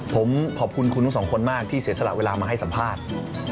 ผมขอบคุณคุณทั้งสองคนมากที่เสียสละเวลามาให้สัมภาษณ์